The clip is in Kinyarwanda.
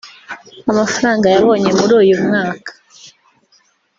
Amafaranga yabonye muri uyu mwaka